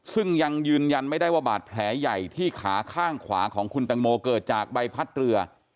ซึ่งยังยืนยันไม่ได้ว่าบาดแผลใหญ่ที่ขาข้างขวาของคุณตังโมเกิดจากใบพัดเรือ